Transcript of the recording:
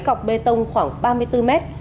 cọc bê tông khoảng ba mươi bốn m